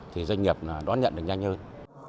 thì doanh nghiệp đón nhận được nhanh hơn